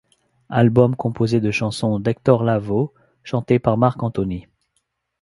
Album composé de chansons d'Hector Lavoe chantées par Marc Anthony.